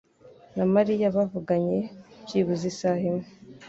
na Mariya bavuganye byibuze isaha imwe.